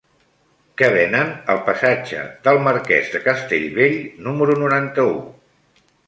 Què venen al passatge del Marquès de Castellbell número noranta-u?